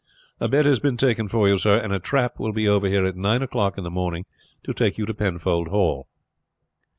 "A bed has been taken for you, sir, and a trap will be over here at nine o'clock in the morning to take you to Penfold Hall."